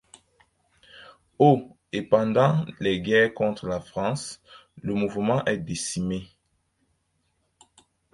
Au et pendant les guerres contre la France, le mouvement est décimé.